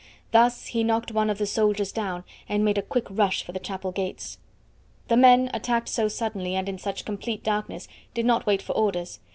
Thus he knocked one of the soldiers down and made a quick rush for the chapel gates. The men, attacked so suddenly and in such complete darkness, did not wait for orders.